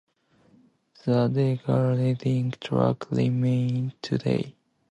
The degrading track remains today.